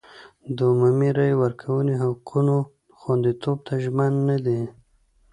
د عمومي رایې ورکونې حقونو خوندیتوب ته ژمن نه دی.